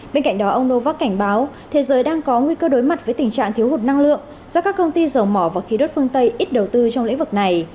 bên cạnh đó ông novak cảnh báo thế giới đang có nguy cơ đối mặt với tình trạng thiếu hụt năng lượng do các công ty dầu mỏ và khí đốt phương tây ít đầu tư trong lĩnh vực này